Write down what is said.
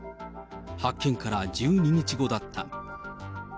発見から１２日後だった。